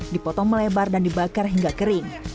dipotong melebar dan dibakar hingga kering